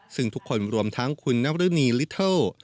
ซึ่งทุกคนรวมทั้งคุณนรณีลิเทิล